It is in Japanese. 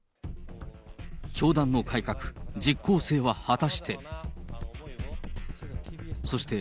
教団の改革、実効性は果たして。